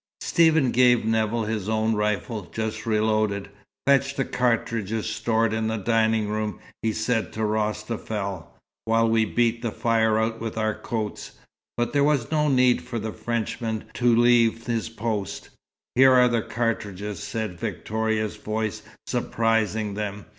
Stephen gave Nevill his own rifle, just reloaded. "Fetch the cartridges stored in the dining room," he said to Rostafel, "while we beat the fire out with our coats." But there was no need for the Frenchman to leave his post. "Here are the cartridges," said Victoria's voice, surprising them.